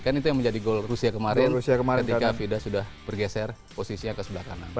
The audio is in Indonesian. kan itu yang menjadi gol rusia kemarin ketika fida sudah bergeser posisinya ke sebelah kanan